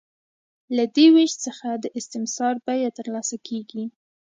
له دې وېش څخه د استثمار بیه ترلاسه کېږي